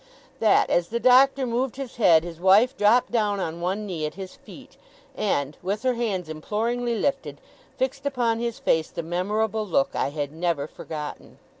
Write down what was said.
That, as the Doctor moved his head, his wife dropped down on one knee at his feet, and, with her hands imploringly lifted, fixed upon his face the memorable look I had never forgotten.